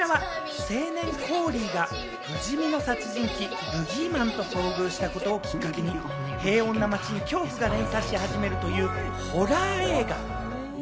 こちらは青年・コーリーが不死身の殺人鬼・ブギーマンと遭遇したことをきっかけに平穏な街に恐怖が連鎖し始めるというホラー映画。